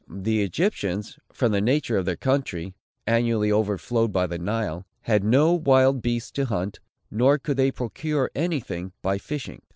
The Egyptians, from the nature of their country, annually overflowed by the Nile, had no wild beasts to hunt, nor could they procure any thing by fishing.